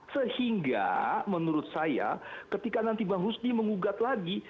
sehingga menurut saya ketika nanti bang husni mengugat lagi